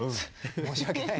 申し訳ない。